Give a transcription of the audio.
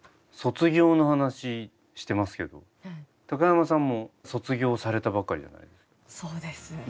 卒業の話してますけど高山さんも卒業されたばかりじゃないですか。